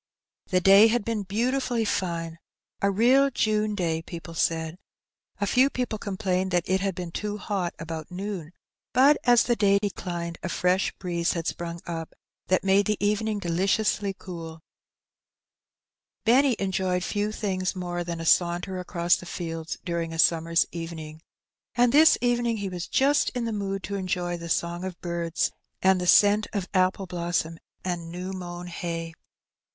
The day had been beautifully fine — a real June day, people said; a few people complained that it had been too hot about noon, but as the day declined a fresh breeze had sprung up, that made the evening deliciously cooL Benny enjoyed few things more than a saunter across the fields during a summer's evening. And this evening he was just in the mood to enjoy the song of birds, and the scent of apple blossom and new mown hay.